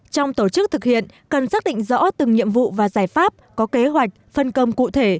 trong tổ chức thực hiện cần xác định rõ từng nhiệm vụ và giải pháp có kế hoạch phân công cụ thể